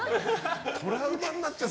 トラウマになっちゃう